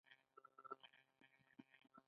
آزاد تجارت مهم دی ځکه چې نوښت زیاتوي.